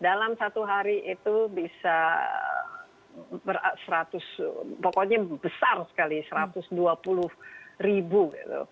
dalam satu hari itu bisa seratus pokoknya besar sekali satu ratus dua puluh ribu gitu